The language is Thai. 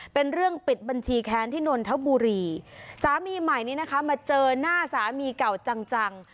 เป็นเรื่องปิดบัญชีแค้นที่นนทบุรีสามีใหม่นี้นะคะมาเจอหน้าสามีเก่าจังจัง